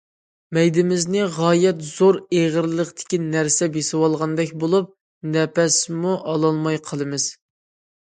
مەيدىمىزنى غايەت زور ئېغىرلىقتىكى نەرسە بېسىۋالغاندەك بولۇپ، نەپەسمۇ ئالالماي قالىمىز.